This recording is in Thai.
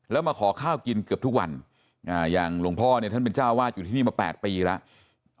แล้วมาขอข้าวกินเกือบทุกวันอย่างหลวงพ่อเนี่ยท่านเป็นเจ้าวาดอยู่ที่นี่มา๘ปีแล้ว